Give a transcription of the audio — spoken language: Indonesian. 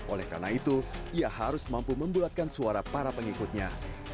oleh karena itu ia harus mampu membulatkan suara para pengikutnya